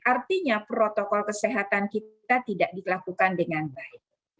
artinya protokol kesehatan kita tidak dilakukan dengan baik